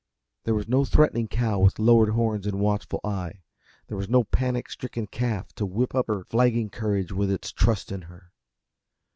There was no threatening cow with lowered horns and watchful eye; there was no panic stricken calf to whip up her flagging courage with its trust in her.